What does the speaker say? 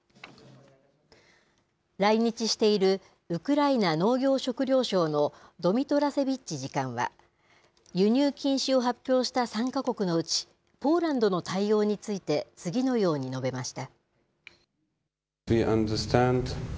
来日しているウクライナ農業食料省のドミトラセビッチ次官は、輸入禁止を発表した３か国のうち、ポーランドの対応について、次のように述べました。